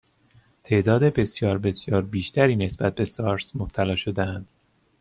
تعداد بسیار بسیار بیشتری نسبت به سارس مبتلا شدهاند